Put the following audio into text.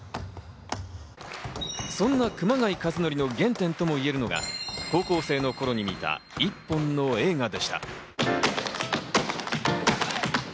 そんな熊谷和徳の原点ともいえるのが高校生の頃に見た一本の映画でした。